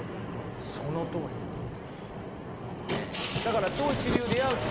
そのとおりなんですよ。